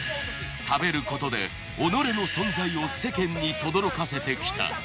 食べることで己の存在を世間にとどろかせてきた。